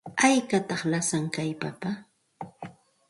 ¿Haykataq lasan kay papa?